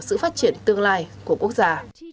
sự phát triển tương lai của quốc gia